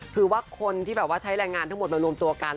คือคนที่ใช้แรงงานทั้งหมดมารวมตัวกัน